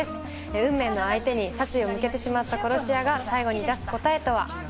運命の相手に殺意を向けてしまった殺し屋が最後に出す答えとは。